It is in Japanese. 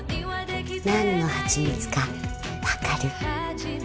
・何のハチミツか分かる？